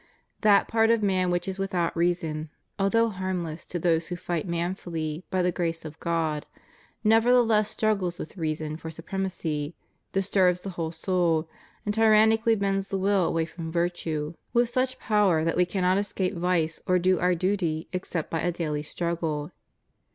That part of man which is without reason, although harmless to those who fight manfully by the grace of Christ, nevertheless struggles with reason for supremacy, disturbs the whole soul, and tyrannically bends the will away from virtue with such power that we cannot escape vice or do our duty except by a daily struggle.